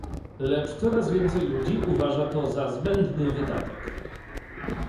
Lecz coraz więcej ludzi uważa to za zbędny wydatek